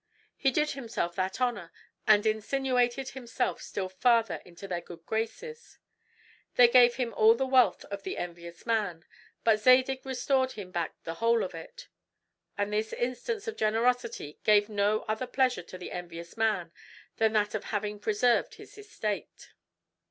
He did himself that honor, and insinuated himself still farther into their good graces. They gave him all the wealth of the envious man; but Zadig restored him back the whole of it. And this instance of generosity gave no other pleasure to the envious man than that of having preserved his estate.